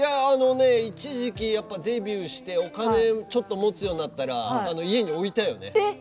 一時期、デビューしてお金ちょっと持つようになったら家に置いたよね。